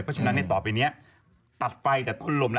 เพราะฉะนั้นต่อไปนี้ตัดไฟตัดพ่นลม